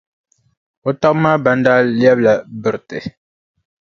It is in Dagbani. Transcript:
O taba maa ban daa lɛbila biriti.